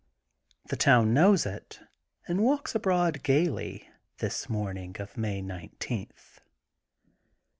The town knows it and walks abroad gaily, this morning of May nineteenth.